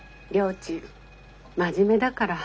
ちん真面目だから。